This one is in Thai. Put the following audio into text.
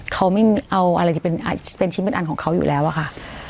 เขาไม่เอาอะไรที่เป็นชิ้นเป็นอันของเขาอยู่แล้วอะค่ะ